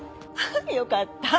よかった。